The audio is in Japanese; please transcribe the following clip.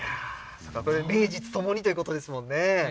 名実ともにということですもんね。